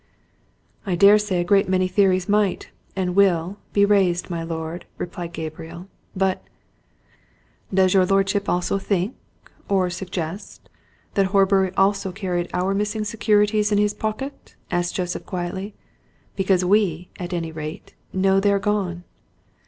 "I daresay a great many theories might and will be raised, my lord," replied Gabriel. "But " "Does your lordship also think or suggest that Horbury also carried our missing securities in his pocket?" asked Joseph quietly. "Because we, at any rate, know they're gone!"